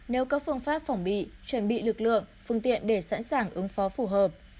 nếu có phương pháp phòng bị chuẩn bị lực lượng phương tiện để sẵn sàng ứng phó phù hợp